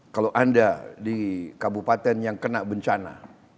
kalau anda di kabupaten yang kena bencana